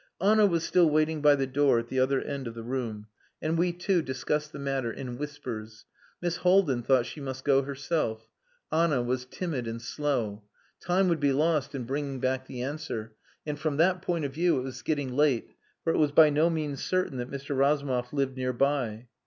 Anna was still waiting by the door at the other end of the room, and we two discussed the matter in whispers. Miss Haldin thought she must go herself. Anna was timid and slow. Time would be lost in bringing back the answer, and from that point of view it was getting late, for it was by no means certain that Mr. Razumov lived near by.